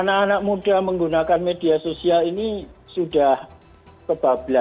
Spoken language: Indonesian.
anak anak muda menggunakan media sosial ini sudah ke dua belas lima belas